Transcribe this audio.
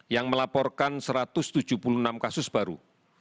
yang melaporkan satu ratus tujuh puluh enam kasus baru